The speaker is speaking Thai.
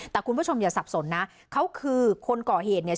แต่คุณผู้ชมอย่าสับสนนะเขาคือคนก่อเหตุเนี่ย